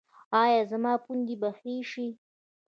ایا زما پوندې به ښې شي؟